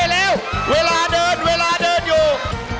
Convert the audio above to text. แล้วเวลาเดินเวลาเรื่อง